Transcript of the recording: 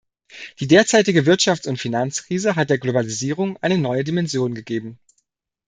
Die derzeitige Wirtschafts- und Finanzkrise hat der Globalisierung eine neue Dimension gegeben.